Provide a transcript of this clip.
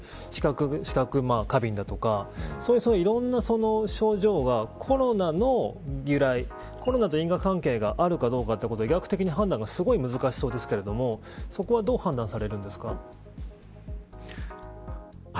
知覚過敏だとかそういう、いろんな症状がコロナの由来コロナと因果関係があるかどうか医学的に判断がすごい難しそうですけどそこはどう判断されるんですか。